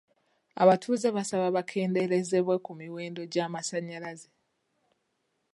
Abatuuze baasaba bakendereezebwe ku miwendo gy'amasanyalaze.